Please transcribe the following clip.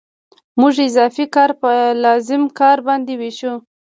موږ اضافي کار په لازم کار باندې وېشو